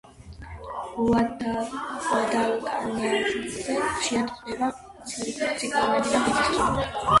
გუადალკანალზე ხშირად ხდება ციკლონები და მიწისძვრები.